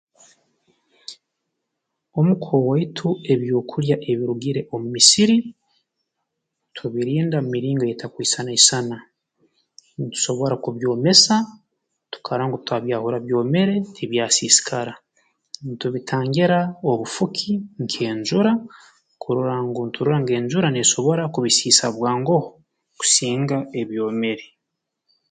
Omu ka owaitu ebyokulya ebirugire omu misiri tubirinda mu miringo eyeetakwisana isana ntusobora kubyomesa tukarora ngu twabyahura byomere tibyasiisikara ntubitangira obufuki nk'enjura kurora ngu nturora ngu enjura n'esobora kubisiisa bwangoho kusinga ebyomere